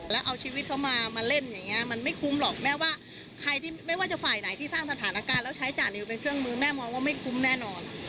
แล้วเอาชีวิตเขามามาเล่นอย่างนี้มันไม่คุ้มหรอกแม่ว่าใครที่ไม่ว่าจะฝ่ายไหนที่สร้างสถานการณ์แล้วใช้จ่านิวเป็นเครื่องมือแม่มองว่าไม่คุ้มแน่นอน